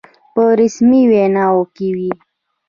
په رسمي ویناوو کې وي.